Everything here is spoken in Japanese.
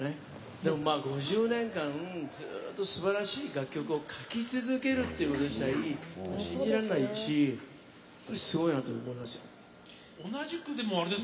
でも、５０年間ずっとすばらしい楽曲を書き続けるということ自体信じられないしすごいなと思います。